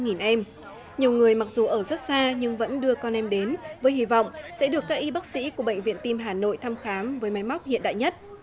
nhiều người mặc dù ở rất xa nhưng vẫn đưa con em đến với hy vọng sẽ được các y bác sĩ của bệnh viện tim hà nội thăm khám với máy móc hiện đại nhất